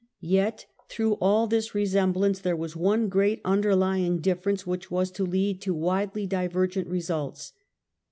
Yet through all this resemblance there was one great under lying difference, which was to lead to widely divergent results.